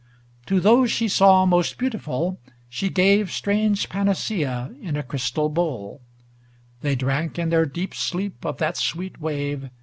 LXIX To those she saw most beautiful, she gave Strange panacea in a crystal bowl; They drank in their deep sleep of that sweet wave.